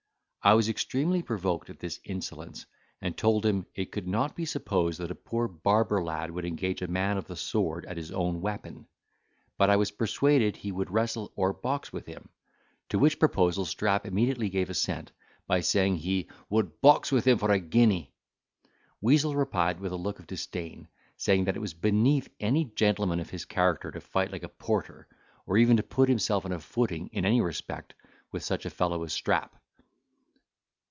I was extremely provoked at this insolence, and told him, it could not be supposed that a poor barber lad would engage a man of the sword at his own weapon; but I was persuaded he would wrestle or box with him. To which proposal Strap immediately gave assent, by saying, "he would box with him for a guinea." Weazel replied with a look of disdain, that it was beneath any gentleman of his character to fight like a porter, or even to put himself on a footing, in any respect, with such a fellow as Strap.